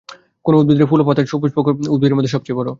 কোন উদ্ভিদের ফুল ও পাতা সপুষ্পক উদ্ভিদের মধ্যে সবচেয়ে বড়?